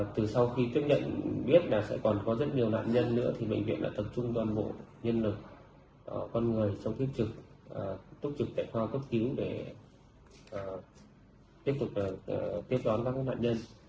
từ sau khi chấp nhận biết là sẽ còn có rất nhiều nạn nhân nữa thì bệnh viện đã tổ chức toàn bộ nhân lực con người trong phía trực tốt trực để kho cấp cứu để tiếp tục tiếp đoán các nạn nhân